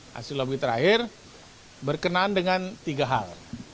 hasil lobby terakhir berkenaan dengan tiga hal